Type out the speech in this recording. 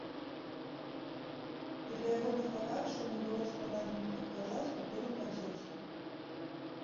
І для ягоных таварышаў не было складаным адказаць, куды ён падзеўся.